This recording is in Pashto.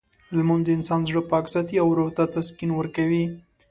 لمونځ د انسان زړه پاک ساتي او روح ته تسکین ورکوي.